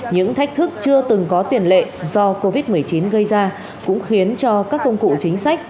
những thách thức chưa từng có tiền lệ do covid một mươi chín gây ra cũng khiến cho các công cụ chính sách